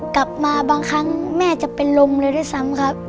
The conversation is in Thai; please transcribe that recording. กลับมาบางครั้งแม่จะเป็นลมเลยด้วยซ้ำครับ